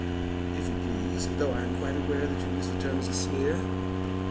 "If you please, though I am quite aware that you use the term as a sneer."